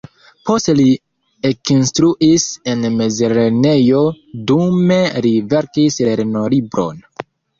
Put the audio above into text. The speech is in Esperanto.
Poste li ekinstruis en mezlernejo, dume li verkis lernolibron.